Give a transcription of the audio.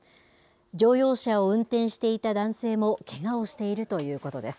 乗用車を運転していた男性もけがをしているということです。